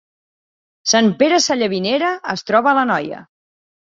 Sant Pere Sallavinera es troba a l’Anoia